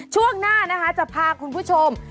ช่วงหน้านะคะจะพาคุณผู้ชม